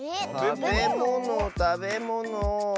たべものたべもの。